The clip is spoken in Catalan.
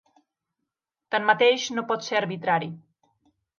Tanmateix no pot ser arbitrari.